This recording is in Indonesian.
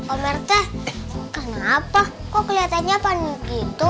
omerte kenapa kok keliatannya panik gitu